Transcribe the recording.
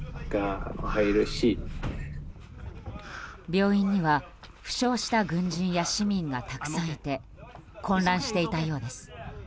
病院には負傷した軍人や市民がたくさんいて混乱していたようです。